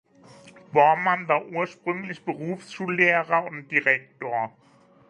Borrmann war ursprünglich Berufsschullehrer und -direktor.